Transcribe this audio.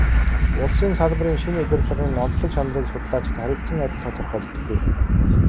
Улсын салбарын шинэ удирдлагын онцлог чанарыг судлаачид харилцан адил тодорхойлдоггүй.